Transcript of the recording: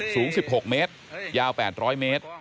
สูง๑๖เมตรยาว๘๐๐เมตร